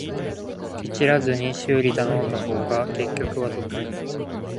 ケチらずに修理頼んだ方が結局は得